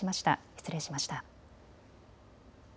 失礼しました。